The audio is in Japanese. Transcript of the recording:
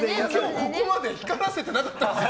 ここまで光らせてなかったよね。